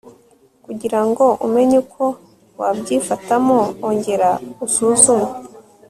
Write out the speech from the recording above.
kugira ngo umenye uko wabyifatamo ongera usuzume